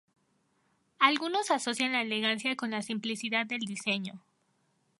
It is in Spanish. Algunos asocian la elegancia con la simplicidad del diseño.